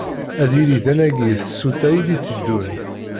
Ad yili d anagi i tsuta i d-iteddun.